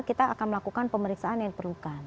kita akan melakukan pemeriksaan yang diperlukan